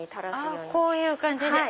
あこういう感じで。